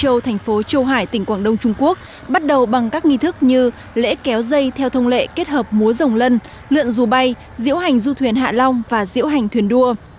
châu thành phố châu hải tỉnh quảng đông trung quốc bắt đầu bằng các nghi thức như lễ kéo dây theo thông lệ kết hợp múa rồng lân lượn dù bay diễu hành du thuyền hạ long và diễu hành thuyền đua